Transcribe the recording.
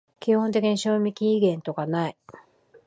基本的に賞味期限とかない